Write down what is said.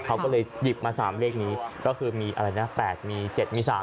เขาก็เลยหยิบมา๓เลขนี้ก็คือมีเอาไหนนะ๘มี๗มี๓ใช่ไหม